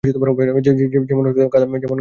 যেমন গাধায় আরোহণ করলে তা হত।